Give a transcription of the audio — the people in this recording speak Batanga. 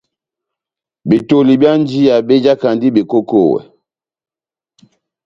Betoli byá njiya bejakandi bekokowɛ.